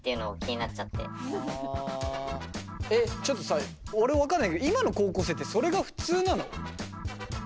ちょっとさ俺分かんないけど今の高校生ってそれが普通なの？